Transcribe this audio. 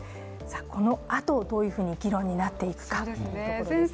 このあとどういうふうに議論になっていくかというところですね。